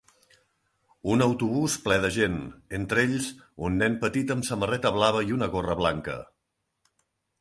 Un autobús ple de gent, entre ells un nen petit amb samarreta blava i una gorra blanca.